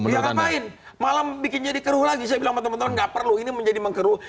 ya ngapain malam bikin jadi keruh lagi saya bilang sama teman teman nggak perlu ini menjadi mengkeruh